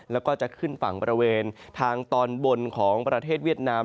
แล้วก็จะขึ้นฝั่งบริเวณทางตอนบนของประเทศเวียดนาม